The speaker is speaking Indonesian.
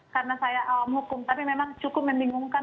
karena saya awam hukum tapi memang cukup membingungkan